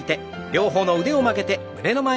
両方の腕を曲げて胸の前。